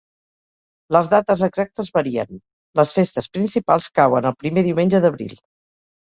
Les dates exactes varien: les festes principals cauen el primer diumenge d'abril.